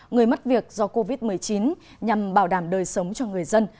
người mất việc do covid một mươi chín nhằm bảo đảm đời sống cho người dân